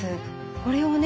これをね